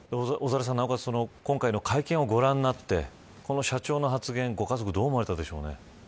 今回の会見をご覧になってこの社長の発言、ご家族どう思われたでしょうね。